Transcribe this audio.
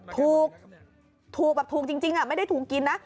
ถูกแบบถูกจริงไม่ได้ถูกกินนะ